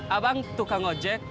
abang tukang ojek